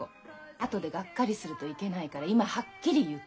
あとでガッカリするといけないから今はっきり言っておく。